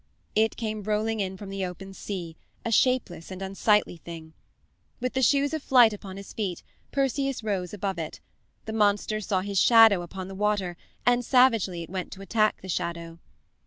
It came rolling in from the open sea, a shapeless and unsightly thing. With the shoes of flight upon his feet Perseus rose above it. The monster saw his shadow upon the water, and savagely it went to attack the shadow.